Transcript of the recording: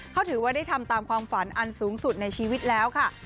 เขาถือว่าได้ทำตามความฝันอันสูงสุดในชีวิตแล้วค่ะ